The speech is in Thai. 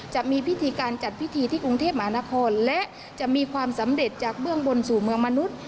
จะมีพิธีการจัดพิธีที่กรุงเทพหมานครและจะมีความสำเร็จจากเบื้องบนสู่เมืองมนุษย์